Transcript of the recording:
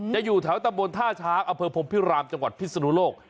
จะอยู่แถวตะบนท่าช้าอพพิรามจังหวัดพิษฎุโลก